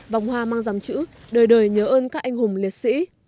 vòng hoa mang dòng chữ đời đời nhớ ơn các anh hùng liệt sĩ